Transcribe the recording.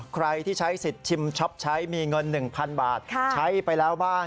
ใครที่ใช้สิทธิ์ชิมช็อปใช้มีเงิน๑๐๐๐บาทใช้ไปแล้วบ้าง